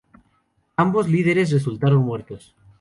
Ambos líderes resultaron muertos.